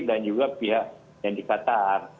dan juga pihak yang di qatar